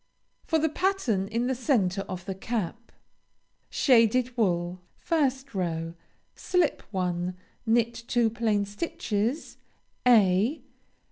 FOR THE PATTERN IN THE CENTRE OF THE CAP. SHADED WOOL 1st row Slip one. Knit two plain stitches (_a.